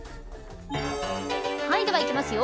ではいきますよ。